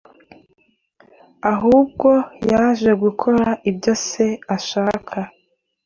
ahubwo yaje gukora ibyo Se ashaka,